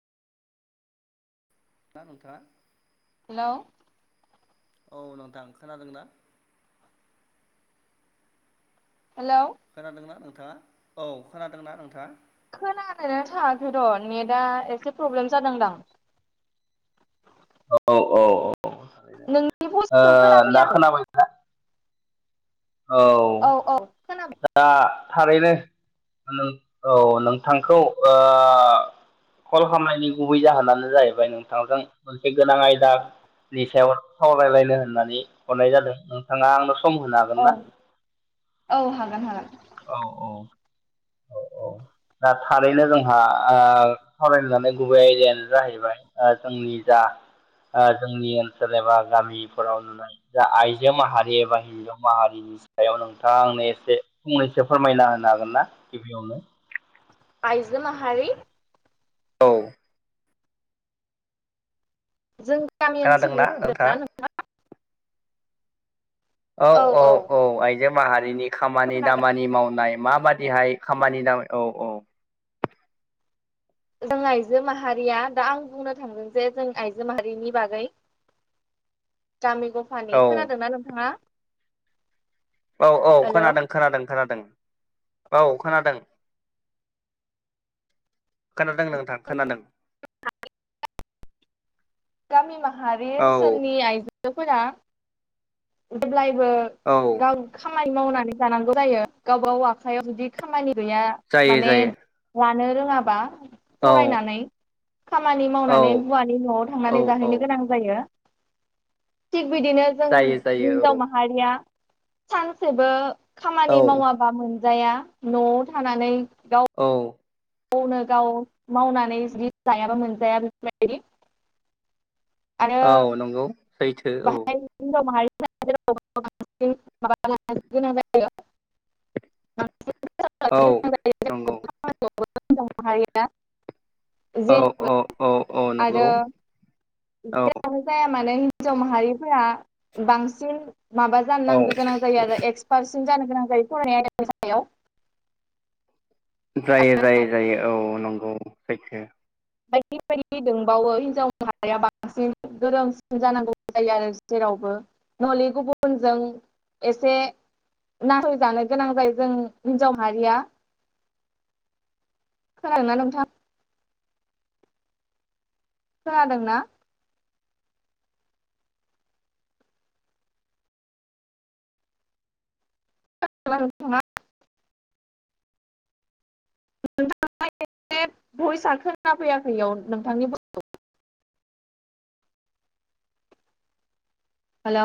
[unintelligible] Hello औ नोंथां खोनादोंना हेलौ खोनादोंना नोंथाङा औ खोनादोंना नोंथाङा? खोनानो थाङाखै र' नेटआ एसे प्रब्लेम जादोंदां [unintelligible] औ औ औ ओ नोंनि भइसखौ दा खोनाफैयाखै खोनाबायना? औ औ खोनाबाय दा थारैनो नों औ नोंथांखौ कल खालामनायनि गुबै जाहोनानो जाहैबाय नोंथांजों मोनसे गोनां आयदा नि सायाव सावलायलायनो होननानै हरनाय जादों नोंथाङा आंनो सम होनो हागोन औ ना? औ हागोन हागोन औ औ औ औ दा थारैनो जोंहा सावरायनो लानाय गुबै आयदायानो जाहैबाय ओ जोंनि जा ओ जोंनि ओनसोल एबा गामिफोराव नुनाय जा आइजो माहारि एबा हिजाव माहारिनि नि सायाव नोंथाङा आंनो एसे फंनैसो फोरमायना होनो हागोन ना गिबियावनो आइजो माहारि औ जों गामि ओनसोलनि होनदों ना नोंथाङा? औ औ औ आइजो माहारिनि खामानि खोनादों दामानि मावनाय माबादिहाय खामानि औ औ जों आइजो माहारिया दा आं बुंनो थांदों जे जों आइजो माहारिनि बागै गामि गफानि औ खोनादोंना नोंथांङा औ औ खोनादों खोनादों खोनादों औ खोनादों खोनादों नोंथां खोनादों [unintelligible] गामि माहारि ओनसोलनि औ आइजोफोरा जेब्लाय बो औ गाव खामानि मावनानै जानांगौ जायो गावबााव आखाइयाव जुदि खामानि गैया जायो माने जायो लानो रोंङाबा औ फरायनानै खामानि औ मावनानै हौवानि न'आव औ थांनानै जाहैनो औ गोनां जायो थिग बिदिनो जों जायो जायो हिनजाव माहारिया सानसेबो औ खामानि मावाबा मोनजाया न'आव थानानै औ गावनो गाव मावनानै जुदि जायाबा मोनजाया बेफोरबायदि आरो औ नंगौ सैथो [unintelligible] [unintelligible] औ गोनां जायो नंगौ [unintelligible] औ जेन औ औ औ नंगौ औ जेरावनो जाया मानो हिनजाव माहारिफोरा बांसिन माबा औ जानोनांगो गोनां जायो आरो एक्सपार जानो गोनां जायो फरायनाय आयदानि सायाव जायो जायो जायो औ नंगौ सैथो [unintelligible] [unintelligible] [unintelligible] दोंबावो हिनजाव मारिाया बांसिन गोरोंसिन जानांगौ जायो आरो जेरावबो। धहले गुबुनजों एसे नासयजानो गोनां जायो जों हिनजाव माहारिया। खोनादोंना नोंथां? खोनादोंना? [unintelligible] [unintelligible] नोंथांङा एसे भयसा खोनाफैयाखै इयाव नोंथांनि भयसखौ। हेल'